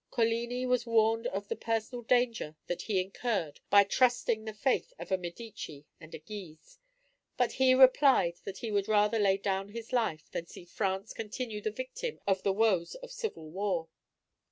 Coligni was warned of the personal danger that he incurred by trusting the faith of a Medici and a Guise; but he replied that he would rather lay down his life, than see France continue the victim of the woes of civil war.